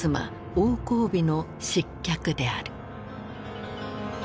王光美の失脚である。